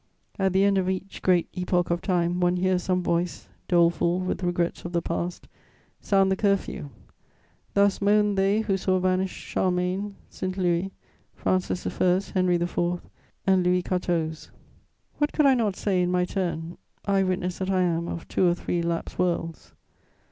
At the end of each great epoch of time, one hears some voice, doleful with regrets of the past, sound the curfew: thus moaned they who saw vanish Charlemagne, St. Louis, Francis I., Henry IV. and Louis XIV. What could I not say, in my turn, eye witness that I am of two or three lapsed worlds?